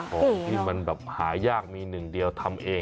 ของที่มันแบบหายากมีหนึ่งเดียวทำเอง